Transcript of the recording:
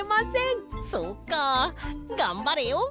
そっかがんばれよ！